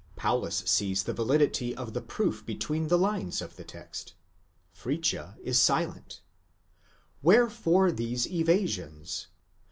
Paulus sees the validity of the proof between the lines of the text; Fritzsche is silent. Wherefore these evasions?